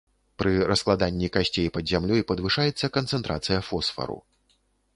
Пры раскладанні касцей пад зямлёй падвышаецца канцэнтрацыя фосфару.